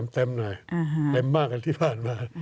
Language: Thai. เต็มหน่อยเต็มมากกว่าที่ผ่านมา